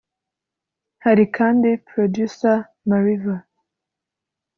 Hari kandi Producer Mariva